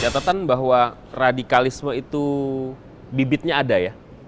catatan bahwa radikalisme itu bibitnya ada ya